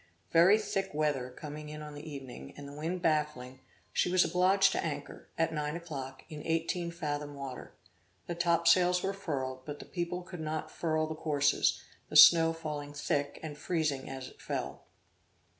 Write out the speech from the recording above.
Very thick weather coming on in the evening, and the wind baffling, she was obliged to anchor, at nine o'clock, in eighteen fathom water. The topsails were furled, but the people could not furl the courses, the snow falling thick and freezing as it fell.